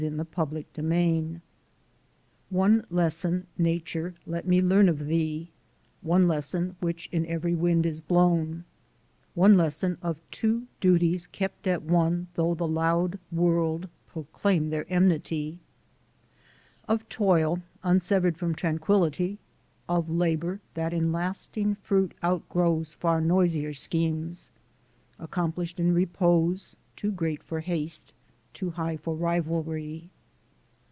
I SUFFER SERIOUS LOSSES One lesson, Nature, let me learn of thee, One lesson which in every wind is blown, One lesson of two duties kept at one Though the loud world proclaim their enmity Of toil unsever'd from tranquillity! Of labor that in lasting fruit outgrows Far noisier schemes, accomplished in repose, Too great for haste, too high for rivalry.